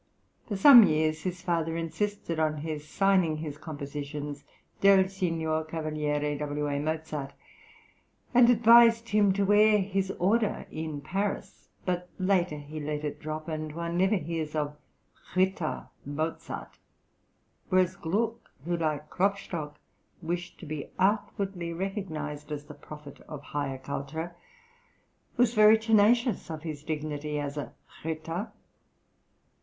For some years his father insisted on his signing his compositions "Del Sign. Cavaliere W. A. Mozart," and advised him to wear his order in Paris; but later he let it drop, and one never hears of Ritter Mozart, whereas Gluck, who like Klopstock, wished to be outwardly recognised as the prophet of higher culture, was very tenacious of his dignity as a Ritter.